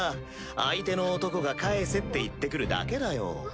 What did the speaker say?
相手の男が返せって言ってくるだけだよ。